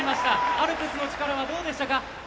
アルプスの力はどうでしたか？